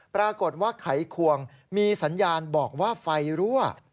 ปรากฏว่าไขควงมีสัญญาณบอกว่าไฟรั่ว